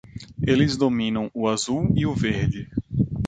Eles dominam o azul e o verde.